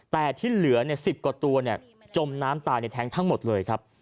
แต่ที่เหลือ๑๐กว่าตัวจมน้ำตายในแท้งทั้งหมดเลยครับ